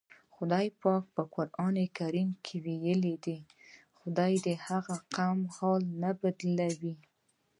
خدای پاک په قرآن کې وایي: "خدای د هغه قوم حال نه بدلوي".